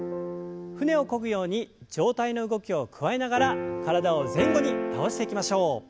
舟をこぐように上体の動きを加えながら体を前後に倒していきましょう。